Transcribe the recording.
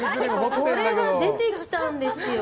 これが出てきたんですよ！